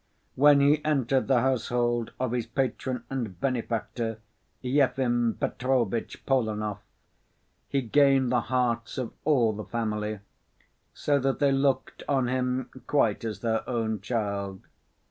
When he entered the household of his patron and benefactor, Yefim Petrovitch Polenov, he gained the hearts of all the family, so that they looked on him quite as their own child.